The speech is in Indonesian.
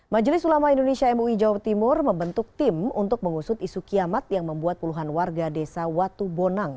majelis ulama indonesia mui jawa timur membentuk tim untuk mengusut isu kiamat yang membuat puluhan warga desa watubonang